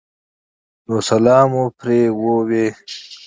نو سلام مو پرې ووې